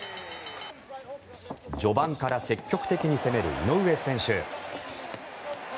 序盤から積極的に攻める井上選手。